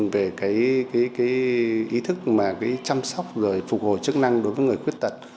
về ý thức chăm sóc rồi phục hồi chức năng đối với người khuyết tật